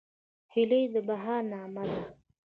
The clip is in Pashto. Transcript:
هیلۍ د بهار نغمه ده